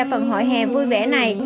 phần hội hè vui vẻ này